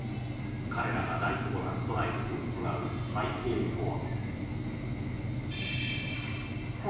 彼らが大規模なストライキを行う背景とは。